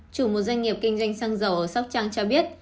chủ một doanh nghiệp kinh doanh xăng dầu ở sóc trăng cho biết